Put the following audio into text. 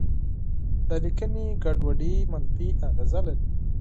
د لیکنې ګډوډي منفي اغېزه لري.